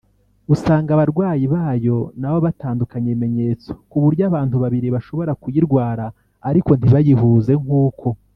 usanga abarwayi bayo nabo batandukanya ibimenyetso ku buryo abantu babiri bashobora kuyirwara ariko ntibayihuze nkuko……